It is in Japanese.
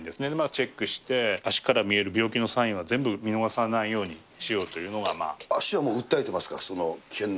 チェックして、足から見える病気のサインは全部見逃さないようにしようというの足はもう訴えてますか？